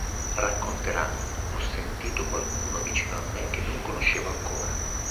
Racconterà: "ho sentito qualcuno vicino a me che non conoscevo ancora.